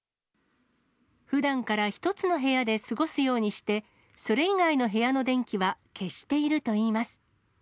ふだんから１つの部屋で過ごすようにして、それ以外の部屋の電気は消しているといいます。